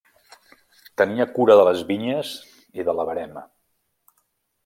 Tenia cura de les vinyes i de la verema.